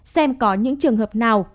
xem có những trường hợp nào